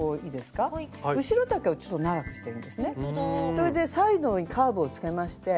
それでサイドにカーブをつけまして。